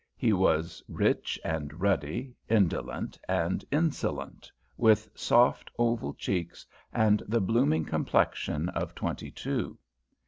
He was rich and ruddy, indolent and insolent, with soft oval cheeks and the blooming complexion of twenty two.